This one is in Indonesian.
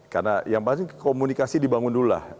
karena yang pasti komunikasi dibangun dulu lah